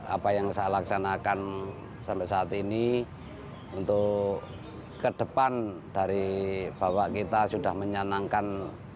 apa yang saya laksanakan sampai saat ini untuk ke depan dari bahwa kita sudah menyenangkan